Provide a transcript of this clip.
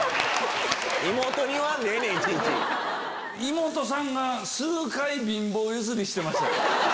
妹さんが数回貧乏揺すりしてましたよ。